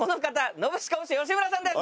ノブシコブシ吉村さんです。